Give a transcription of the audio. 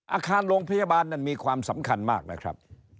อาคารโรงพยาบาลนั้นมีความสำคัญมากนะครับ